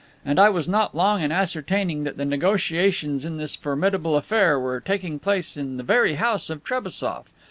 And I was not long in ascertaining that the negotiations in this formidable affair were taking place in the very house of Trebassof!